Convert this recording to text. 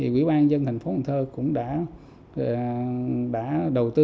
quỹ ban dân thành phố cần thơ cũng đã đầu tư